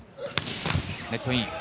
ネットイン。